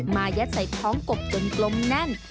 ยัดใส่ท้องกบจนกลมแน่น